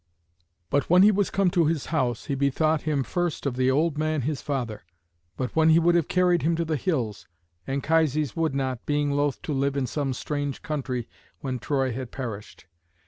But when he was come to his house he bethought him first of the old man his father; but when he would have carried him to the hills, Anchises would not, being loath to live in some strange country when Troy had perished.